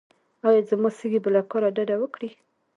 ایا زما سږي به له کار ډډه وکړي؟